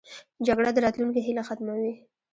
جګړه د راتلونکې هیله ختموي